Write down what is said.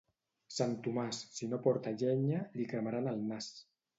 Sant Tomàs, si no porta llenya, li cremaran el nas.